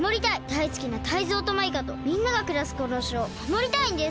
だいすきなタイゾウとマイカとみんながくらすこのほしをまもりたいんです！